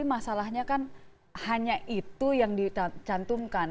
masalahnya kan hanya itu yang dicantumkan